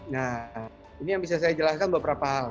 nah ini yang bisa saya jelaskan beberapa hal